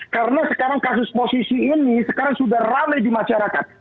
karena sekarang kasus posisi ini sekarang sudah rame di masyarakat